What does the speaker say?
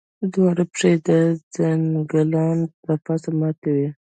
دواړه پښې یې د ځنګانه له پاسه ماتې وې.